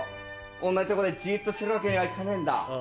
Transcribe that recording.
同じとこでじっとしてるわけにはいかねえんだ。